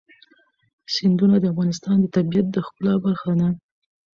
سیندونه د افغانستان د طبیعت د ښکلا برخه ده.